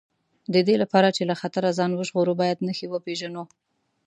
د دې لپاره چې له خطره ځان وژغورو باید نښې وپېژنو.